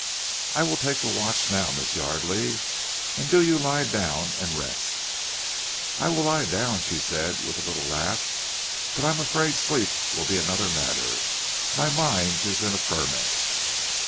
"I will take the watch now, Miss Yardely, and do you lie down and rest." "I will lie down," she said with a little laugh, "but I am afraid sleep will be another matter. My mind is in a ferment."